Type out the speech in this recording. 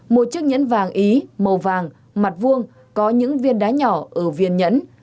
một chiếc nhẫn vàng ý màu vàng mặt vuông có những viên đá nhỏ ở viên nhẫn